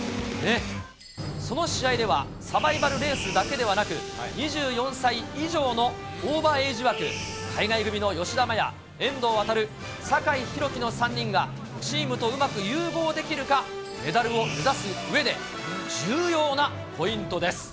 その試合では、サバイバルレースだけではなく、２４歳以上のオーバーエイジ枠、海外組の吉田麻也、遠藤航、さかいひろきの３人が、チームとうまく融合できるか、メダルを目指すうえで重要なポイントです。